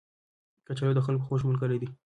کچالو د خلکو خوږ ملګری دی